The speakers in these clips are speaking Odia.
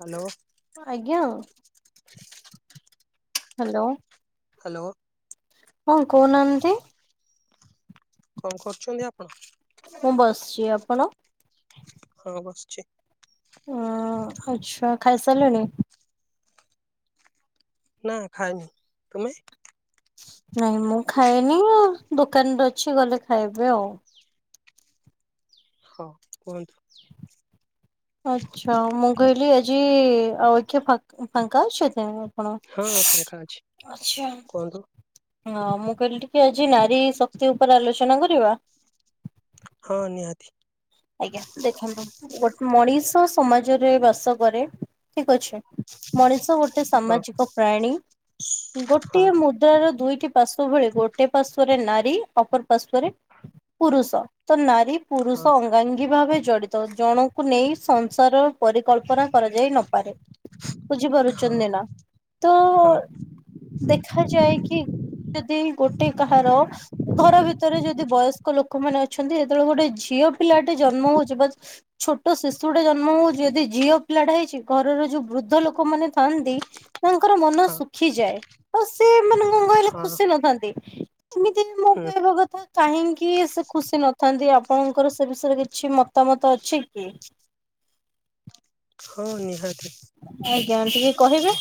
ହ୍ୟାଲୋ। ଆଜ୍ଞା। ହ୍ୟାଲୋ। ହ୍ୟାଲୋ। ହଁ କହୁନାହାନ୍ତି? କଣ କରୁଛନ୍ତି ଆପଣ? ମୁଁ ବସିଛି, ଆପଣ? ମୁଁ ବସିଚି। ଉଁ-ଉଁ-ଉଁ ଆଛା ଖାଇସାରିଲେଣିି? ନା ଖାଇନି, ତମେ? ନାଇଁ ମୁଁ ଖାଇନି ଆଉ, ଦୋକାନରେ ଅଛି ଗଲେ ଖାଇବି ଆଉ। ହଁ କୁହନ୍ତୁ। ଆଚ୍ଛା, ମୁଁ କହିଲି ଆଜି ଆଉ କିଏ ଫା- ଫାଙ୍କା ଅଛନ୍ତି। କଣ ହଁ ଫାଙ୍କା ଅଛି ଆଛା। କୁହନ୍ତୁ ହଁ ମୁଁ କହିଲି ଟିକେ ଆଜି ନାରୀ ଶକ୍ତି ଉପରେ ଆଲୋଚନା କରିବା। ହଁ ନିହାତି। ଆଜ୍ଞା ଦେଖନ୍ତୁ, ଗୋଟ ମଣିଷ ସମାଜରେ ବାସ କରେ। ଅଛି! ମଣିଷ ଗୋଟେ ହଁ। ସାମାଜିକ ପ୍ରାଣୀ। ହଁ ଗୋଟିଏ ମୁଦ୍ରାର ଦୁଇ ଟି ପାର୍ଶ ଭଳି! ଗୋଟେ ପାର୍ଶ୍ଵରେ ନାରୀ ଅପର ପାର୍ଶ୍ଵରେ ପୁରୁଷ! ତ ନାରୀ ହଁ ପୁରୁଷ ଅଙ୍ଗାଙ୍ଗୀ ଭାବେ ଜଡିତ। ଜଣଙ୍କୁ ନେଇ ସଂସାର ପରିକଳ୍ପନା କରାଯାଇ ନପାରେ। ହଁ ବୁଝିପାରୁଛନ୍ତି ନା, ତ ହଁ ଦେଖାାଯାଏ କି? ଯଦି ଗୋଟେ କାହାର! ଘର ଭିତରେ ଯଦି ବୟସ୍କ ଲୋ ଲୋକ ମାନେ ଅଛନ୍ତି! ଯେତେବେଳେ ଗୋଟେ ଝିଅ ପିଲାଟେ ଜନ୍ମ ହଉଛି ବା ଛୋଟ ଶିଶୁ ଗୋଟେ ଜନ୍ମ ହଉଛି! ଯଦି ଝିଅ ପିଲା ଟା ହେଇଛି ଘରର ଯୋଉ ବୃଦ୍ଧ ଲୋକମାନେ ଥାଆନ୍ତି। ତାଙ୍କର ମନ ହଁ ଶୁଖିଯାଏ। ଆଉ ସେମାନେ କଣ କହିଲେ ହଁ ଖୁସି ନଥାନ୍ତି। ସେମିତି ମୋ ହୁଁ କହିବା କଥା କାହିଁକି ସେ ଖୁସି ନଥାନ୍ତି। ଆପଣ ଙ୍କର ସେ ବିଷୟରେ କିଛି ମତାମତ ଅଛି କି? ହଁ ନିହାତି। ଆଜ୍ଞା, ଟିକେ କହିବେ।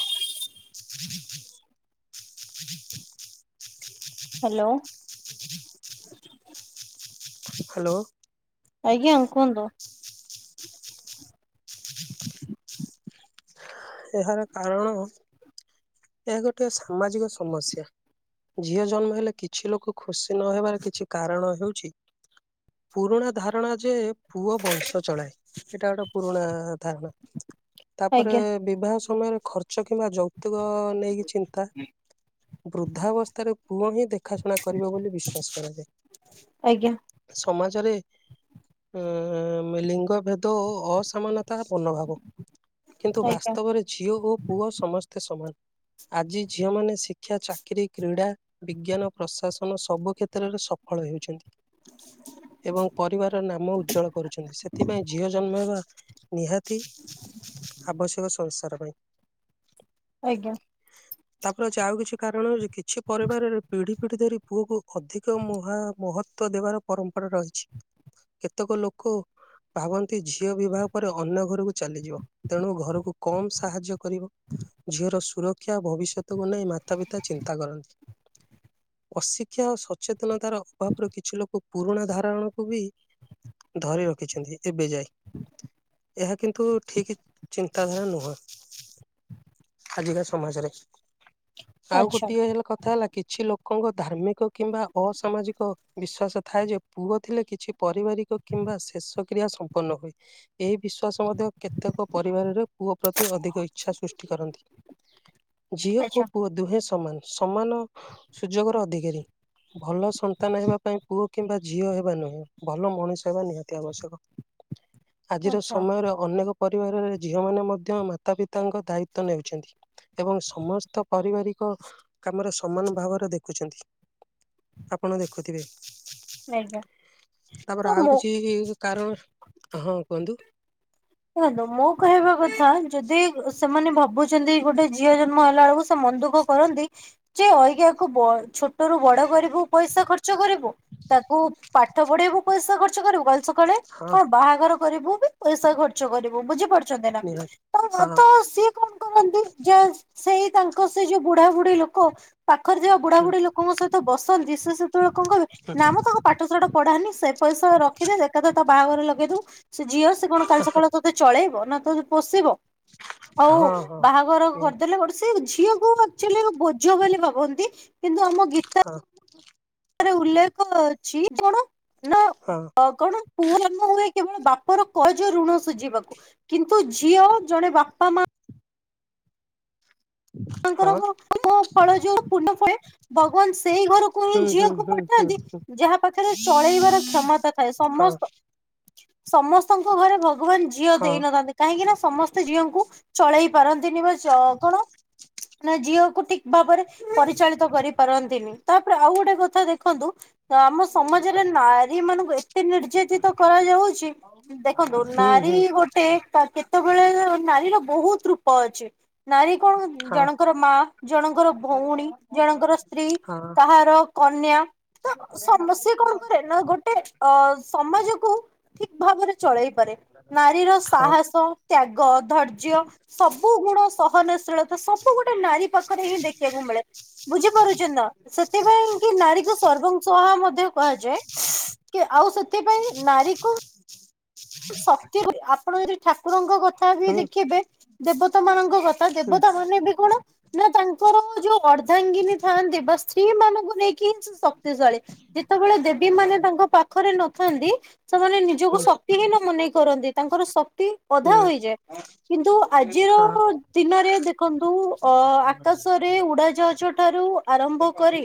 ହ [inaudible] ହ୍ୟାଲୋ! ହ୍ୟାଲୋ! ଆଜ୍ଞା କୁହନ୍ତୁ। ଏହାର କାରଣ ଏହା ଗୋଟେ ସାମାଜିକ ସମସ୍ୟା। ଝିଅ ଜନ୍ମ ହେଲେ କିଛି ଲୋକ ଖୁସି ନହେବାର କିଛି କାରଣ ହେଉଛି। ପୁରୁଣା ଧାରଣା ଯେ ପୁଅ ବଂଶ ଚଳାଏ। ସେଇଟା ଗୋଟେ ପୁରୁଣା ଧାରଣା ତାପରେ ଆଜ୍ଞା ବିବାହ ସମୟରେ ଖର୍ଚ୍ଚ କିମ୍ବା ଯୌତିୁକ ନେଇକି ଚିନ୍ତା। ବୃଦ୍ଧାବସ୍ଥାରେ ପୁଅ ହିଁ ଦେଖାଶୁଣା କରିବ ବୋଲି ବିଶ୍ୱାସ କରାଯାଏ। ଆଜ୍ଞା ସମାଜରେ ଅଁ-ଅ ଲିଙ୍ଗ ଭେଦ ଓ ଅସମାନ ତା ପୂର୍ଣ୍ଣଭାବ। କିନ୍ତୁ ଆଜ୍ଞା ବାସ୍ତବରେ ଝିଅ ଓ ପୁଅ ସମସ୍ତେ ସମାନ। ଆଜି ଝିଅମାନେ ଶିକ୍ଷା ଚାକିରୀ କ୍ରୀଡ଼ା ବିଜ୍ଞାନ ପ୍ରଶାସନ ସବୁ କ୍ଷେତ୍ରରେ ସଫଳ ହେଉଛନ୍ତି। ଏବଂ ପରିବାରର ନାମ ଉଜ୍ଜଳ କରୁଛନ୍ତି। ସେଥିପାଇଁ ଝିଅ ଜନ୍ମ ହେବା ନିହାତି ଆବଶ୍ୟକ ସଂସାର ପାଇଁ। ଆଜ୍ଞା। ତାପରେ ଅଛି, ଆଉ କିଛି କାରଣ ହଉଛି କିଛି ପରିବାରରେ ପିଢି ପିଠି ଧରି ପୁଅକୁ ଅଧିକ ମହା ମହତ୍ଵ ଦେବାର ପରମ୍ପରା ରହିଛି। କେତେକ ଲୋକ ଭାବନ୍ତି, ଝିଅ ବିବାହ ପରେ ଅନ୍ୟ ଘରକୁ ଚାଲିଯିବ ତେଣୁ ଘରକୁ କମ୍ ସାହାଯ୍ୟ କରିବ। ଝିଅର ସୁରକ୍ଷା ଭବିଷ୍ୟତକୁ ନେଇ ମାତା ପିତା ଚିନ୍ତା କରନ୍ତି। ଅଶିକ୍ଷା ଓ ସଚେତନତାର ଅଭାବରୁ କିଛି ଲୋକ ପୁରୁଣା ଧାରଣକୁ ବି ଧରି ରଖିଛନ୍ତି ଏବେ ଯାଏ। ଏହା କିନ୍ତୁ ଠିକ୍ ଚିନ୍ତା ତାର ଧର ନୁହଁ, ଆଜିକା ସମାଜରେ। ଆଉ ଆଚ୍ଛା ଗୋଟିଏ ହେଲା କଥା ହେଲା କିଛି ଲୋ ଲୋକଙ୍କ ଧାର୍ମିକ କିମ୍ବା ଅସାମାଜିକ ବିଶ୍ଵାସ ଥାଏ ଯେ, ପୁଅ ଥିଲେ କିଛି ପରିବାରିକ କିମ୍ କିମ୍ବା ଶେଷ କ୍ରିୟା ସମ୍ପନ୍ନ ହୁଏ। ଏହି ବିଶ୍ୱାସ ମଧ୍ୟ କେତେକ ପରିବାରରେ ପୁଅ ପ୍ରତି ଅଧିକ ଇଚ୍ଛା ସୃଷ୍ଟି କରନ୍ତି। ଝିଅ ଆଚ୍ଛା ଓ ପୁଅ ଦୁହେଁ ସମାନ। ସମାନ ସୁଯୋଗର ଅଧିକାରୀ। ଭଲ ସନ୍ତାନ ହେବା ପାଇଁ ପୁଅ କିମ୍ବା ଝିଅ ହେବା ନୁହେଁ ଭଲ ମଣିଷ ହେବା ନିହାତି ଆବଶ୍ୟକ। ଆଜିର ଆଚ୍ଛା ସମୟରେ ଅନେକ ପରିବାରରେ ଝି ଝିଅମାନେ ମଧ୍ୟ ମାତା ପିତାଙ୍କ ଦାୟିତ୍ଵ ନେଉଛନ୍ତି। ଏବଂ ସମସ୍ତ ପାରିବାରିକ କାମରେ ସମାନ ଭାବରେ ଦେଖୁଛନ୍ତି। ଆପଣ ଦେଖୁଥିବେ ଆଜ୍ଞା ତାପରେ ତ ଆଉ ମୋ କିଛି କାରଣ ହଁ କୁହନ୍ତୁ। ଦେଖନ୍ତୁ ମୁଁ କହିବା କଥା ଯଦି ସେମାନେ ଭାବୁଛନ୍ତି ଗୋଟେ ଝିଅ ଜନ୍ମ ହେଲା ବେଳକୁ ମନ୍ଦୁଖ କରନ୍ତି ଯେ ଅଜ୍ଞାକୁ ଛୋଟ ରୁ ବଡ କରିବୁ ପଇସା ଖର୍ଚ୍ଚ କରିବୁ। ତାକୁ ପାଠ ପଢେଇବୁ ପଇସା ଖର୍ଚ୍ଚ କରିବୁ କାଲି ସକାଳେ ହଁ କଣ ବାହାଘର କରିବୁ ପଇସା ଖର୍ଚ୍ଚ କରିବୁ ବୁଝିପାରୁଛନ୍ତି ନା ନିହାତି। ତ ହଁ ତ ସିଏ କଣ? ଲୋକନ୍ତି ଯ ସେଇ ତାଙ୍କ ସେ ଯୋଉ ବୁଢା ବୁଢୀ ଲୋକ ପାଖରେ ଯିବା ବୁଢା ବୁଢୀ ଲୋକଙ୍କ ସହିତ ବସନ୍ତି ସେତେବେଳେ କଣ କହିବେ ନା ମୁଁ ତାଙ୍କ ପାଠଶଢ ପଢାନି ସେ ରଖିଦି ଏକଥା ତା ବାହାଘର ଲଗେଇ ଦଉ ସେ ଝିଅ ସେ କଣ କାଲି ସକାଳ ଚଳେଇବ ନା ତ ପୋଷିବ ଆଉ ହଁ ହଁ ହଁ। ବାହାଘର ନିହାତି କରିଦେଲେ ଗୋଟେ ସ ଝିଅ ଆକଚୁଆଲି ବୋଝ ବୋଲି ଭାବନ୍ତି କିନ୍ତୁ ଆମ ହଁ। ରେ ଉଲ୍ଲେଖ ଅଛି କଣ ନା ହଁ କଣ ପୁଅ ନ ହୁଏ କେବଳ ବାପର କଜ ଋଣ ସୁଝିବାକୁ କିନ୍ତୁ ଝିଅ ଜଣେ ବାପା ମା ତାଙ୍କର ହଁ ଫଳ ଯୋଉ ପୂର୍ଣ୍ଣ ଫଳେ ଭଗବାନ ସେଇ ଘରକୁ ହିଁ ହୁଁ ହୁଁ ଝିଅକୁ ହୁଁ ହୁଁ ପଠାନ୍ତି। ଯାହା ପାଖରେ ଚଳେଇବାର କ୍ଷମତା ଥାଏ ହଁ ସମସ୍ତ ସମସ୍ତଙ୍କ ଘରେ ଭଗବାନ ଝିଅ ହଁ ଦେଇନଥାନ୍ତି କାହିଁକି ନା ସମସ୍ତେ ଝିଅଙ୍କୁ ଚଳେଇ ପାରନ୍ତିନି ବା କଣ ମାନ ଝିଅକୁ ଠିକ ଭାବରେ ପରିଚାଳିତ କରିପାରନ୍ତିନି ତାପରେ ଆଉ ଗୋଟେ କଥା ଦେଖନ୍ତୁ। ତ ଆମ ସମାଜରେ ନାରୀ ମାନଙ୍କୁ ଏତେ ନିର୍ଯତିତ କରାଯାଉଛି ଦେଖନ୍ତୁ ନାରୀ ହୁଁ ନାରୀ ହୁଁ। ଗୋଟେ କେତେବେଳେ ନାରୀର ବହୁତ ରୂପ ଅଛି ନାରୀ କଣ ହଁ ଜଣଙ୍କର ମା ଜଣଙ୍କର ଭଉଣୀ ଜଣଙ୍କର ସ୍ତ୍ରୀ ହଁ କାହାର କନ୍ୟା ତ ସମସ୍ୟା କଣ କରେ ନା ଗୋଟେ ଅ ସମାଜକୁୁ ଠିକ ଭାବରେ ଚଳେଇ ପାରେ। ନାରୀର ହଁ ସାହସ ତ୍ୟାଗ ଧୈର୍ଯ୍ୟ ସବୁ ଗୁଣ ସହନ ସବୁ ଗୋଟେ ନାରୀ ପାଖରେ ହିଁ ଦେଖିବାକୁ ମିଳେ ବୁଝିପାରୁଛ ସେଥିପାଇଁ କି ନାରୀ ସର୍ବଂ ସହା ମଧ୍ୟ କୁହାଯାଏ କି ଆଉ ସେଥିପାଇଁ ନାରୀକୁ ସତୀ ଆପଣ ଯଦି ଠାକୁରଙ୍କ କ ଥା ବି ହୁଁ ଦେଖିବେ ଦେବତା ମାନଙ୍କ କଥା ହୁଁ ହୁଁ ଦେବତା ମାନେ ବି କଣ ନା ତାଙ୍କର ଯୋଉ ଅର୍ଦ୍ଧାଙ୍ଗିନୀ ଥାଆନ୍ତି ବା ସ୍ତ୍ରୀ ମାନଙ୍କୁ ନେଇକିିଁ ସ [inaudible] ଯେତେବେଳେ ଦେବୀ ମାନେ ତାଙ୍କ ପାଖରେ ନଥାନ୍ତି ସେମାନେ ନିଜକୁ ହୁଁ ସ ମନେ କରନ୍ତି ତାଙ୍କର ସ ଅଧା ହୋଇଯାଏ କିନ୍ତୁ ଆଜିର ହଁ ଦିନରେ [inaudible] ଦେଖନ୍ତୁ ଅ ଆକାଶରେ ଉଡାଜାହାଜ ଠାରୁ ଆରମ୍ଭ କରି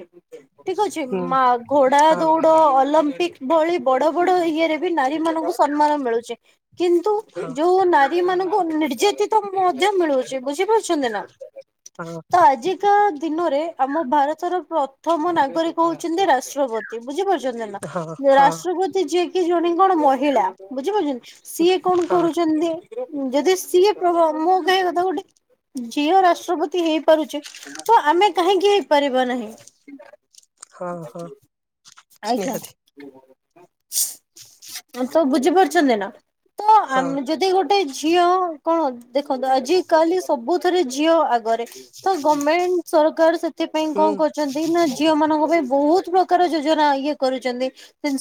ଠିକ ଅଛି ହୁଁ ମା ଘୋଡା ହଁ। ଦୌଡ ଅଲ ପିକ ଭଳି ବଡ ବଡ ଇଏରେ ବି ନାରୀ ମାନଙ୍କୁ ସମ୍ମାନ ମିଳୁଚି। କିନ୍ତୁ ହଁ ହଁ ଯୋଉ ନାରୀ ମାନଙ୍କୁ ନିର୍ଯାତିତ ମଧ୍ୟ ମିଳୁଚି ବୁଝିପାରୁ ଛନ୍ତି ନା ତ ଆଜି ଆଜିକା ଦିନରେ ଆମ ଭାରତର ପ୍ରଥମ ନାଗରିକ ହଉଚନ୍ତି ରାଷ୍ଟ୍ରପତି ବୁଝିପାରୁ ଚନ୍ତି ନା ରାଷ୍ଟ୍ରପତି ଯିଏ କି ଜଣେ କଣ ମହିଳା। ବୁଝିପାରୁଛନ୍ତି ସିଏ କଣ ହଁ ହଁ ହଁ କରୁଛନ୍ତି ଉଁ ଉଁ ଯଦି ସିଏ ମୋ ମୋ କହିବା କଥା ଗୋଟେ ଝିଅ ରାଷ୍ଟ୍ରପତି ହେଇପାରୁଚି ତ ଆମେ କାହିଁକି ହେଇପାରିବା ନାହିଁ? ହଁ ହଁ ଆଜ୍ଞା। ନିହାତି। ତ ବୁଝିପାରୁଛନ୍ତି ନା ତ ହଁ ଆମେ ଯଦି ଗୋଟେ ଗୋଟେ ଝିଅ କଣ ଦେଖନ୍ତୁ ଆଜି କାଲି ସବୁଥରେ ଝିଅ ଆଗରେ। ତ ଗମେଣ୍ଟ ସରକାର ସେଥିପାଇଁ ହୁଁ କଣ କରୁଚନ୍ତି ନା ଝିଅ ମାନଙ୍କ ପାଇଁ ବହୁତ ପ୍ରକାର ଯୋଜନା ଇଏ କରୁଛନ୍ତି,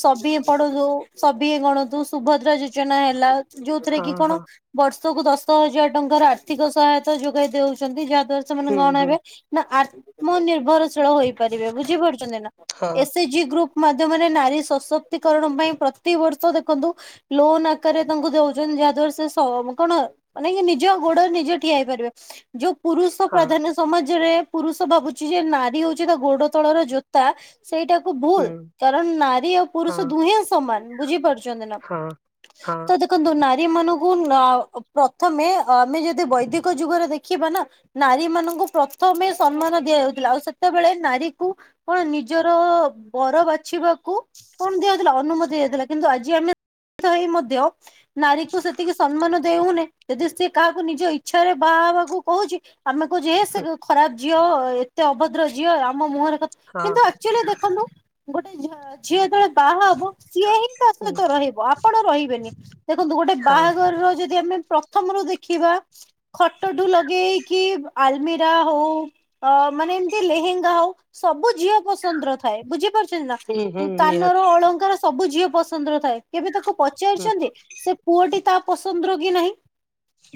ସଭିଏ ପଢ଼ନ୍ତୁ ସଭିଏ ଗଢନ୍ତୁ ସୁଭଦ୍ରା ଯୋଜନା ହେଲା, ଯୋଉଥିରେ ହଁ କି କଣ ହଁ ବର୍ଷ ବର୍ଷକୁ ଦଶ ହଜାର ଟଙ୍କାର ଆର୍ଥିକ ସହାୟତା ଯୋଗାଇ ଦଉଛନ୍ତି, ଯାହା ସେମାନେ ହୁଁ କଣ ହୁଁ ହେବେ ନା ଆତ୍ମନିର୍ଭର ବୁଝିପାରୁଛନ୍ତି ନା, ହଁ ଏସ ଏଚ ଜି ଗ୍ରୁପ୍ ମାଧ୍ୟମରେ ନାରୀ ସଶକ୍ତିକରଣ ପାଇଁ ପ୍ରତିିବର୍ଷ ଦେଖନ୍ତୁ ଲୋନ୍ ଆକାରରେ ତାଙ୍କୁ ଦଉଛନ୍ତି ଯାହାଦଵାର, ସେ କଣ, ମାନେ ନିଜ ଗୋଡ ନି ଠିଆ ହେଇପାରିବେ, ଯୋଉ ପୁରୁଷ ହଁ ପ୍ରାଧାନ୍ୟ ସମାଜରେ ପୁରୁଷ ଭାବୁଛି ଯେ ନାରୀ ହଉଛି ତା ଗୋଡ ତଳର ଜୋତା ସେଇଟାକୁ ଭୁଲ, ହୁଁ କାରଣ -ନାରୀ ଆଉ ହଁ ପୁରୁଷ ଦୁହେଁ ସମାନ, ବୁଝିପାରୁ ବୁଝିପାରିଛନ୍ତି ନା, ହଁ ହଁ ତ ଦେଖନ୍ତୁ ନାରୀ ମାନଙ୍କୁ ପ୍ରଥମେ ଆମେ ଯଦି ବୈଦିକ ଯୁଗରେ ଦେଖିବା ନା, ନାରୀ ମାନଙ୍କୁ ଙ୍କୁ ପ୍ରଥମେ ସମ୍ମାନ ଦିଆଯାଉଥିଲା ଆଉ ସେତେବେଳେ ନାରୀ କୁ କଣ ନିଜର ବର ବାଛିବାକୁ କୁ କଣ ଦିଆଯାଉଥିଲା ଅନୁମତି ଦିଆଯାଉଲା କିନ୍ତୁ ଆଜି ଆମେ [inaudible] ମଧ୍ୟ ନାରୀକୁ ସେତିକି ସମ୍ମାନ ଦେଉନେ ଯଦି ସିଏ କାହାକୁ ନିଜ ଇଚ୍ଛାରେ ବାହା ହେବାକୁ କହୁଛି ଆମେ କହୁଛେ ସେ ହୁଁ ଖରାପ ଝିଅ ଏତେ ଅଭଦ୍ର ଝିଅ ଆମ ମୁହଁରେ ହଁ କିନ୍ତୁ ଆକ୍ଚୁଆଲି ଦେଖନ୍ତୁ ଗୋଟେ ଝିଅ ଯେତେବେଳେ ବାହା ହବ, ସିଏ ହିଁ ହୁଁ ସହିତ ରହିବ ଆପଣ ରହିବେନି ଦେଖନ୍ତୁ ଗୋଟେ ହଁ ବାହାଘରର ଯଦି ଆମେ ପ୍ରଥମରୁ ଦେଖିବା ଖଟଠୁ ଲଗେଇକି ଆଲମିରା ହଉ ମାନେ ଏମିତି ଲେହେଙ୍ଗା ହଉ, ସବୁ ଝିଅ ପସନ୍ଦର ଥାଏ ବୁଝିପାରୁ ନା ହୁଁ ହୁଁ କାନର ନିହାତି ଅଳଙ୍କାର, ସବୁ ଝିଅ ପସନ୍ଦର ଥାଏ। କେବେ ତାକୁ ହୁଁ ପଚାରିଛନ୍ତି, ସେ ପୁଅଟି ତା ପସନ୍ଦ ର କି ନାହିଁ।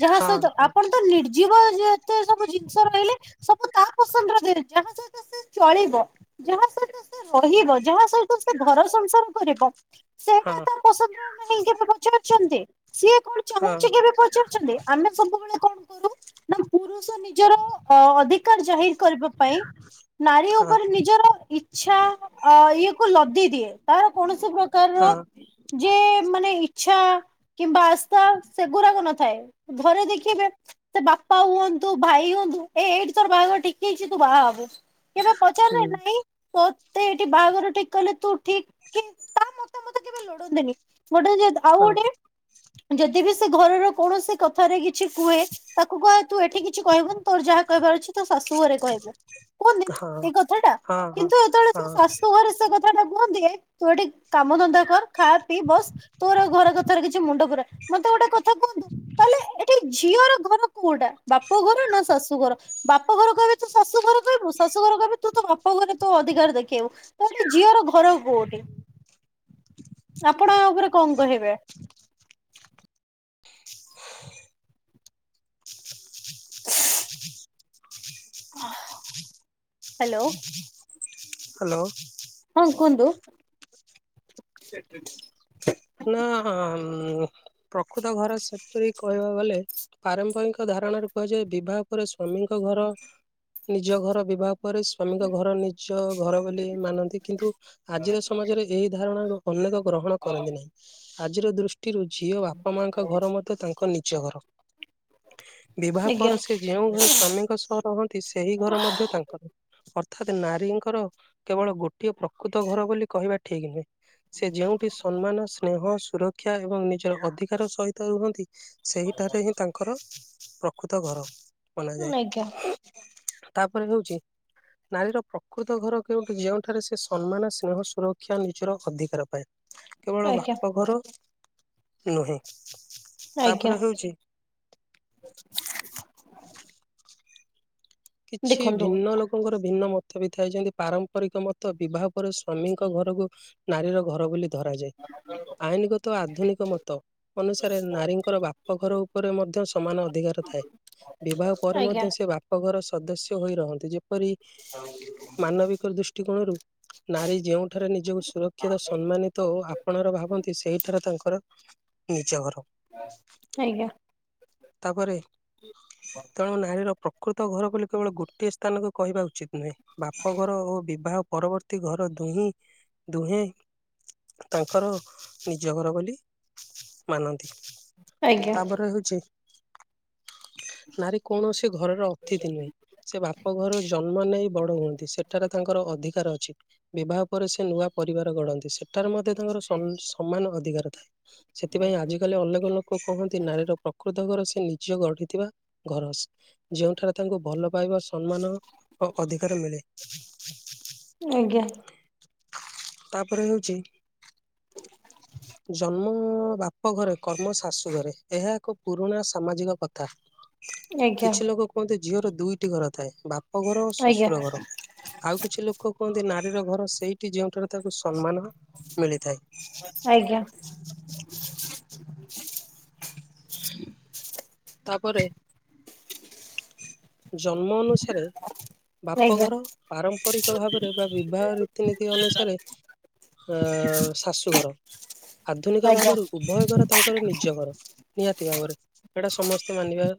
ଯାହା ହଁ ସହିତ ହଁ ଆପଣ ତ ନିର୍ଜୀବ ଯେ ଏତେ ସବୁ ଜିନିଷ ରହିଲେ ସବୁ ତା ପସନ୍ଦର [unintelligible] ଚଳିବ ଯାହା ସହିତ ସେ ରହିବ, ଯାହା ସହିତ ସେ ଘର ସଂସାର କରିବ ସେଇଟା ହଁ ତା ପସନ୍ଦର ନାହିଁ କେବେ ପଚାରୁଛନ୍ତି? ସିଏ କଣ ହଁ ଚାହୁଁଛି କେବେ ପଚାରୁଛନ୍ତି? ଆମେ ସବୁବେଳେ କଣ କରୁ ନା ପୁରୁଷ ନିଜର ଅ ଅଧିକାର ଜାହିର କରିବା ପାଇଁ ନାରୀ ହଁ ଉପରେ ନିଜର ଇଚ୍ଛା ଇଏ କୁ ଲଦି ଦିଏ ତାର କୌଣସି ପ୍ରକାର ହଁ ଯେ ମାନେ ଇଛା କିମ୍ବା ଆସ୍ଥା ସେଗୁଡାକ ନଥାଏ, ଘରେ ଦେଖିବେ ସେ ବାପା ହୁଅ ତୁ ଭାଇ ହୁଅନ୍ତୁ, ଏଇ ଏଇଠି ତୋର ବାହାଘର ଠିକ୍ ହେଇଛି, ତୁ ବାହାହବୁ କେବେ ପଚାରିଲେ ହୁଁ ନାହିଁ, ତତେ ଏଇଠି ବାହାଘର ଠିକ କଲେ, ତୁ ଠିକ କି? ତାମତ ତ ମତେ କେବେ ଲୋଡନ୍ତିନି, ଗୋଟେ ଜିଦ୍ ଆଉ ହଁ ଗୋଟେ ଯଦି ବି ସେ ଘରର କୌଣସି କଥାରେ କିଛି କୁହେ, ତାକୁ କହେ ତୁ ଏଠି କିଛି କହିବୁନି ତୋର ଯାହା କହିବା ଅଛିତ, ଶାଶୁ ଘରେ କହିବୁ। କୁହନ୍ତି ନା ହଁ ଏଇ କଥାଟା ହଁ ହଁ କିନ୍ତୁ ଯେତେବେଳେ ସେ ହଁ ଶାଶୁ ଘରେ ସେ କଥାଟା କୁହନ୍ତି, ତୁ ଏଠି କାମଧନ୍ଦା କର, ଖା ପିଇ ବସ, ତୋର ଘରକଥାରେ କିଛି ମୁଣ୍ଡ ପୁରାନି, ମତେ ଗୋଟେ କଥା କୁହନ୍ତୁ? ତାହେଲେ ଏଠି ଝିଅର ଘର କୋଉଟା, ବାପଘର ନା ଶାଶୁଘର, ବାପଘର କହିବେ ତୁ ଶାଶୁଘର କହିବୁ ଶାଶୁଘର କହିବୁ, ତୁ ତୋ ବାପା ଘରେ ତୋ ଅଧିକାର ଦେଖେଇବୁ, ତଏଠି ଝିଅର ଘର କୋଉଠି? ଆପଣ ଆ ଉପରେ କଣ କହିବେ? [inaudible] ଅହ୍ [unintelligible] ହାଲୋ। ହଁ କୁହନ୍ତୁ? [unintelligible] ନା ପ୍ରକୃତ ଘର ସେପରି କହିବାକୁ ଗଲେ, ପାରମ୍ପରିକ ଦା ଧାରଣରେ କୁହାଯାଏ, ବିବାହ ପରେ ସ୍ଵାମୀଙ୍କ ଘର ନିଜ ଘର, ବିବାହ ପରେ ସ୍ଵାମୀଙ୍କ ଘର ନିଜ ଘର ବୋଲି ମାନନ୍ତି କିନ୍ତୁ ଆଜିର ସମାଜରେ ଏହି ଧାରଣାକୁ ଅନେକ ଗ୍ରହଣ କରନ୍ତିନାହିଁ, ଆଜିର ଦୃଷ୍ଟି ଦୃଷ୍ଟିରୁ ଝିଅ ବାପାମାଙ୍କ ଘର ମଧ୍ୟ ତାଙ୍କ ନିଜ ଘର। ବିବାହ ଆଜ୍ଞା ପରେ ସେ ଯେଉଁ ଘରେ ସ୍ଵାମୀଙ୍କ ସହ ରହନ୍ତି ସେହି ଘର ମଧ୍ୟ ତାଙ୍କର। ଅର୍ଥାତ୍ ନାରୀଙ୍କର କେବଳ ଗୋଟିଏ ପ୍ରକୃତ ଘର ବୋଲି କହିବା ଠିକ୍ ନୁହେଁ। ସେ ଯେଉଁଠି ସମ୍ମାନ, ସ୍ନେହ, ସୁରକ୍ଷା ଏବଂ ନିଜର ଅଧିକାର ସହିତ ରୁହନ୍ତି। ସେଇଠାରେ ହିଁ ତାଙ୍କର ପ୍ରକୃତ ଘର। ମନାଯାଏ ଆଜ୍ଞା। ତାପରେ ହେଉଛି ନାରୀର ପ୍ରକୃତ ଘର କେଉଁଠି ଯେଉଁଠାରେ ସେ ସମ୍ମାନ, ସ୍ନେହ, ସୁରକ୍ଷା ନିଜର ଅଧିକାର ପାଏ। କେବଳ ବା ଆଜ୍ଞା ନୁହେଁ। ଆଜ୍ଞା। ତାପରେ ହେଉଛି କିଛି ଦେଖନ୍ତୁ ଭିନ୍ନ ଲୋକଙ୍କର ଭିନ୍ନ ମତ। ତାବି ଥାଏ ଯେମିତି ପାରମ୍ପରିକ ମତ ବିବାହ ପରେ ସ୍ୱାମୀଙ୍କ ଘରକୁ ନାରୀର ଘର ବୋଲି ଧରାଯାଏ। ଆଇନଗତ ଆଧୁନିକ ମତ ଅନୁସାରେ ନାରୀଙ୍କର ବାପଘର ଉପରେ ମଧ୍ୟ ସମାନ ଅଧିକାର ଥାଏ ବିବାହ ପରେ ଆଜ୍ଞା ମଧ୍ୟ ସେ ବାପଘର ସଦସ୍ୟ ହୋଇ ରହନ୍ତି। ଯେପରି ମାନବିକ ଦୃଷ୍ଟିକୋଣରୁ ନାରୀ ଯେଉଁଠାରେ ନିଜକୁ ସୁରକ୍ଷିତ ସମ୍ମାନିତ ଓ ଆପଣାର ଭାବନ୍ତି ସେହିଠାରେ ତାଙ୍କ ର ନିଜ ଘର। ଆଜ୍ଞା। ତାପରେ ତେଣୁ ନାରୀର ପ୍ରକୃତ ଘର ବୋଲି କେବଳ ଗୋଟିଏ ସ୍ଥାନକୁ କହିବା ଉଚିତ ନୁହେଁ ବାପଘର ଓ ବିବାହ ପରବର୍ତ୍ତୀ ଘର ଦୁହିଁ ଦୁହେଁ ତାଙ୍କର ନିଜ ଘର ବୋଲି ମାନନ୍ତି। ଆଜ୍ଞା ତାପରେ ହଉଛି ନାରୀ କୌଣସି ଘରର ଅତିଥି ନୁହେଁ। ସେ ବାପ ଘର ଜନ୍ମ ନେଇ ବଡ ହୁଅନ୍ତି। ସେଠାରେ ତାଙ୍କର ଅଧିକାର ଅଛି। ବିବାହ ପରେ ସେ ନୂଆ ପରିବାର ଗଢନ୍ତି। ସେଠାରେ ମଧ୍ୟ ତାଙ୍କର ସମା-ସମାନ ଅଧିକାର ଥାଏ। ସେଥିପାଇଁ ଆଜିକାଲି ଅନେକ ଲୋକ କୁହନ୍ତି ନାରୀର ପ୍ରକୃତ ଘର ନିଜ ଗଢିଥିବା ଘର ଯୋଉଠାରେ ତାଙ୍କୁ ଭଲ ପାଇବା ସମ୍ମାନ ଓ ଅଧିକାର ମିଳେ। ଆଜ୍ଞା ତାପରେ ହେଉଛି ଅନ୍ ବାପ ଘରେ କର୍ମ ଶାଶୁ ଘରେ ଏହା ଏକ ପୁରୁଣା ସାମାଜିକ କଥା। ଆଜ୍ଞା କିଛି ଲୋକ କୁହନ୍ତି ଝିଅର ଦୁଇଟି ଘର ଥାଏ ବାପା ଘର ଆଜ୍ଞା ଶ୍ୱଶୁର ଘର ଆଉ କିଛି ଲୋକ କୁହନ୍ତି ନାରୀର ଘର ସେଇଠି ଯେଉଁଠାରେ ତାକୁ ସମ୍ମାନ ମିଳିଥାଏ। ଆଜ୍ଞା। [inaudible] ତାପରେ ଜନ୍ମ ଅନୁସାରେ ଆଜ୍ଞା ବାପଘର ପାରମ୍ପରିକ ଭାବରେ ବା ବିବାହ ରୀତିନୀତି ଅନୁସାରେ ଅ ଶାଶୁଘର। ଆଧୁନିକ ଆଜ୍ଞା ଭାବରୁ ଉଭୟ ଘର ତାଙ୍କର ନିଜ ଘର ନିହାତି ଭାବରେ। ଏଇଟା ସମସ୍ତେ ମାନିବା